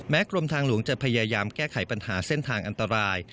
กรมทางหลวงจะพยายามแก้ไขปัญหาเส้นทางอันตราย